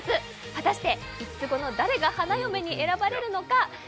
果たして五つ子の誰が花嫁に選ばれるのか。